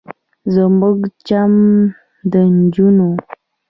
زموږ د چم د نجونو